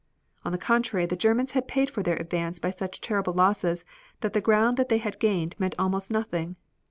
On the contrary the Germans had paid for their advance by such terrible losses that the ground that they had gained meant almost nothing.